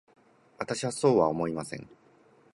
私はそうは思いません。